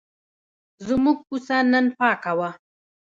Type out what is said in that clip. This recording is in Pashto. زموږ کوڅه نن پاکه وه.